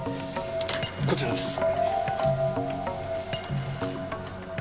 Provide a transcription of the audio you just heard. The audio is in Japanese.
こちらです。